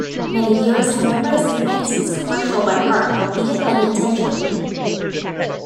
Many viewers have memorized Emanski's commercial by heart, albeit unintentionally.